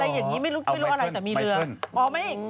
อย่างนี้ไม่รู้อะไรแต่มีเรือ